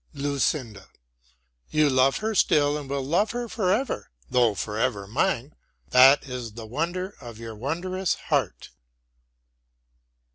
LUCINDA You love her still and will love her forever, though forever mine. That is the wonder of your wondrous heart.